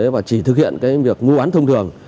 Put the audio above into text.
và chỉ thực hiện cái việc mua bán thông thường